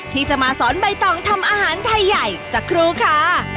ที่จะมาสอนใบตองทำอาหารไทยใหญ่สักครู่ค่ะ